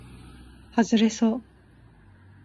はずれそう